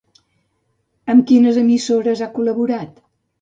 Amb quines emissores ha col·laborat?